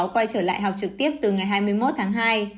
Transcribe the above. quay trở lại học trực tiếp từ ngày hai mươi một tháng hai